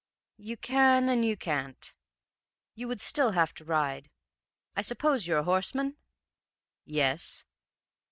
"'You can and you can't. You would still have to ride. I suppose you're a horseman?' "'Yes.'